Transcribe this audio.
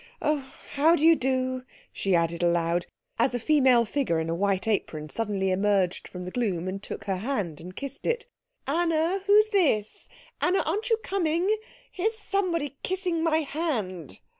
Oh, how d'you do," she added aloud, as a female figure in a white apron suddenly emerged from the gloom and took her hand and kissed it; "Anna, who's this? Anna! Aren't you coming? Here's somebody kissing my hand."